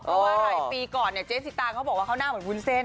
เพราะว่าหลายปีก่อนเนี่ยเจ๊สิตางเขาบอกว่าเขาหน้าเหมือนวุ้นเส้น